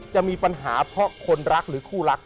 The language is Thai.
จะมีปัญหาเพราะคนรักหรือคู่รัก